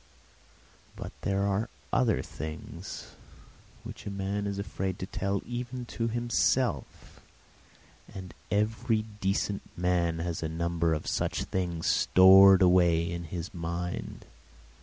But there are other things which a man is afraid to tell even to himself, and every decent man has a number of such things stored away in his mind.